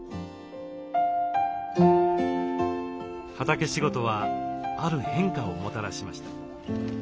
畑仕事はある変化をもたらしました。